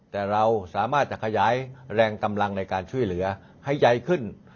แต่เราสามารถจะขยายแรงกำลังในการช่วยเหลือให้ใหญ่ขึ้น